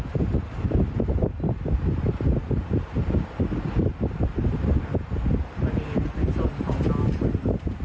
ตัวนี้มันเป็นส่วนของน้องมัน